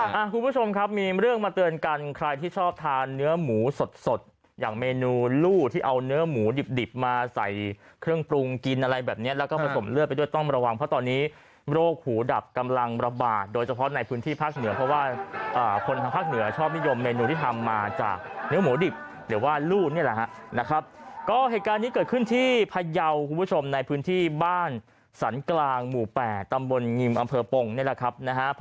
ครับคุณผู้ชมครับมีเรื่องมาเตือนกันใครที่ชอบทานเนื้อหมูสดอย่างเมนูลู่ที่เอาเนื้อหมูดิบมาใส่เครื่องปรุงกินอะไรแบบนี้แล้วก็ผสมเลือดไปด้วยต้องระวังเพราะตอนนี้โรคหูดับกำลังระบาดโดยเฉพาะในพื้นที่ภาคเหนือเพราะว่าคนภาคเหนือชอบนิยมเมนูที่ทำมาจากเนื้อหมูดิบหรือว่าลู่นี่แหละนะครับ